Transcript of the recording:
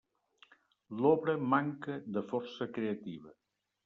L'obra manca de força creativa.